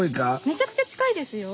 めちゃくちゃ近いですよ。